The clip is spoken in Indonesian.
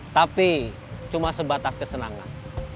tapi cuma sebatas kesenangan